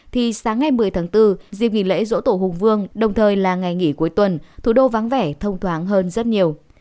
thì sáng ngày một mươi tháng bốn dịp nghỉ lễ dỗ tổ hùng vương đồng thời là ngày nghỉ cuối tuần thủ đô vắng vẻ thông thoáng hơn rất nhiều